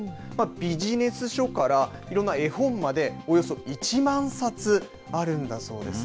ビジネス書からいろんな絵本まで、およそ１万冊あるんだそうです。